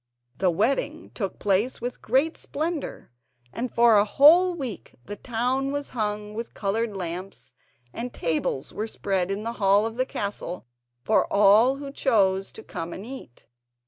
The wedding took place with great splendour, and for a whole week the town was hung with coloured lamps, and tables were spread in the hall of the castle for all who chose to come and eat.